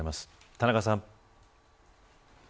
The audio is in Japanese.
田中さん。